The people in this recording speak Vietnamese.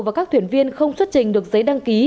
và các thuyền viên không xuất trình được giấy đăng ký